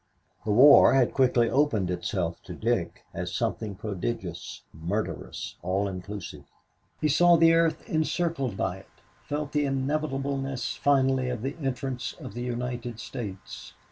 The war had quickly opened itself to Dick as something prodigious, murderous all inclusive. He saw the earth encircled by it felt the inevitableness finally of the entrance of the United States.